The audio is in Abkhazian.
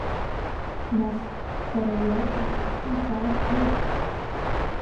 Нас, бара уи аҟара бхахьы изаабгеи?